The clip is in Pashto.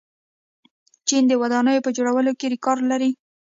چین د ودانیو په جوړولو کې ریکارډ لري.